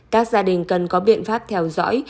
các gia đình cần có biện pháp theo dõi